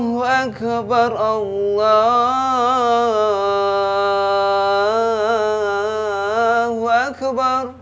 allahu akbar allahu akbar